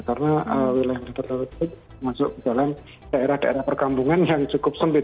karena wilayah yang terdapat masuk ke dalam daerah daerah perkambungan yang cukup sempit